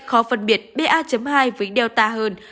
khó phân biệt ba hai với delta hơn